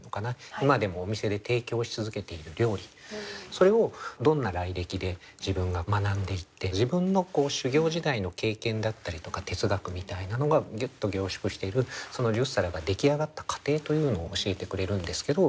それをどんな来歴で自分が学んでいって自分の修業時代の経験だったりとか哲学みたいなのがギュッと凝縮しているその十皿が出来上がった過程というのを教えてくれるんですけど。